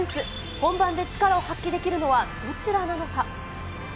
本番で力を発揮できるのはどちらなのか。